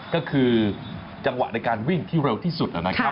ก็คือจังหวะในการวิ่งที่เร็วที่สุดนะครับ